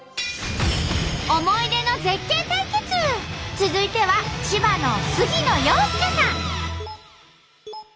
続いては千葉の杉野遥亮さん。